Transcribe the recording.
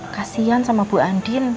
kasian sama bu andin